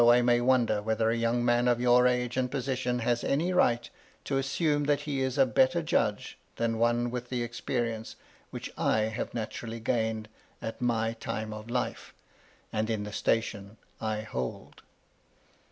51 I may wonder whether a young man of your age and position has any right to assume that he is a better judge than one with the experience which I have natu rally gained at my time of life, and in the station I hold."